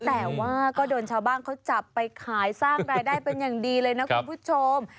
แต่ว่าก็โดนชาวบ้านเขาจับไปขายสร้างรายได้เป็นอย่างดีเลยนะคุณผู้ชม